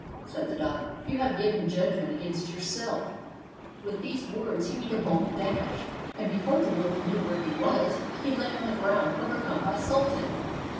said the dog, "you have given judgment against yourself." With these words he made a bold dash, and before the wolf knew where he was, he lay on the ground overcome by Sultan.